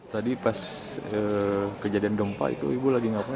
tadi pas kejadian gempa itu ibu lagi ngapain